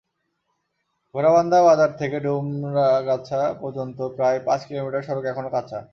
ঘোড়াবান্ধা বাজার থেকে ডুমরগাছা পর্যন্ত প্রায় পাঁচ কিলোমিটার সড়ক এখনো কাঁচা।